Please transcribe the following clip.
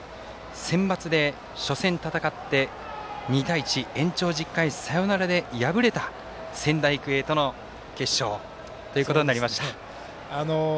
センバツで初戦戦って、２対１延長１０回サヨナラで敗れた仙台育英との決勝ということになりました。